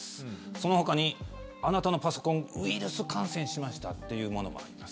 そのほかに、あなたのパソコンウイルス感染しましたというものもあります。